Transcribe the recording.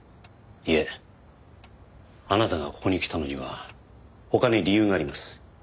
いえあなたがここに来たのには他に理由があります。